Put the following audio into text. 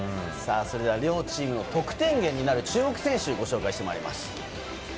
両チームの得点源になる注目選手をご紹介していきます。